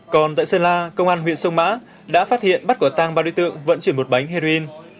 còn tại sơn la công an huyện sông mã đã phát hiện bắt quả tang ba đối tượng vận chuyển một bánh heroin